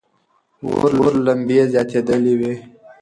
اور لمبې زیاتېدلې وې.